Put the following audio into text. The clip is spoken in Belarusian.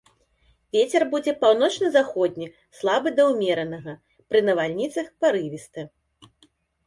Вецер будзе паўночна-заходні слабы да ўмеранага, пры навальніцах парывісты.